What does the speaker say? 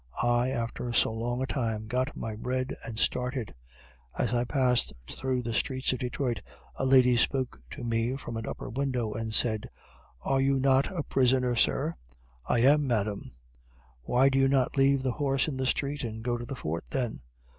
I, after so long a time, got my bread and started; as I passed through the streets of Detroit, a lady spoke to me from an upper window, and said: "Are you not a prisoner, sir?" "I am, madam." "Why do you not leave the horse in the street and go to the fort then?"